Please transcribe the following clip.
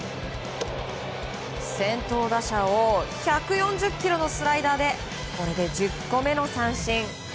先頭打者を１４０キロのスライダーでこれで１０個目の三振。